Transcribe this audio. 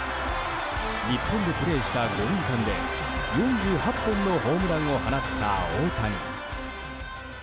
日本でプレーした５年間で４８本のホームランを放った大谷。